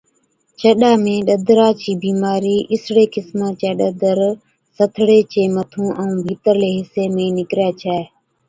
چڏان ۾ ڏَدرا چِي بِيمارِي، اِسڙي قِسما چَي ڏَدر سٿڙي چي مٿُون ائُون ڀِيترلي حِصي ۾ نِڪرَي ڇَي۔